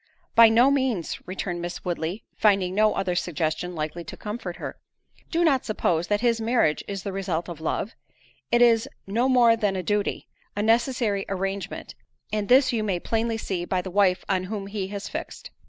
"By no means," returned Miss Woodley, finding no other suggestion likely to comfort her; "do not suppose that his marriage is the result of love—it is no more than a duty, a necessary arrangement, and this you may plainly see by the wife on whom he has fixed.